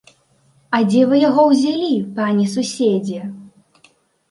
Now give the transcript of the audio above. А дзе вы яго ўзялі, пане суседзе?